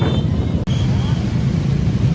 และกลายเป้าหมาย